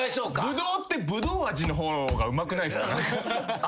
ブドウってぶどう味の方がうまくないっすか？